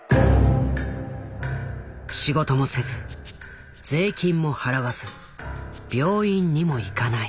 仕事もせず税金も払わず病院にも行かない。